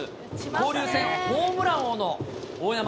交流戦、ホームラン王の大山。